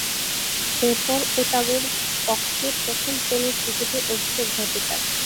এরপর, ওতাগোর পক্ষে প্রথম-শ্রেণীর ক্রিকেটে অভিষেক ঘটে তার।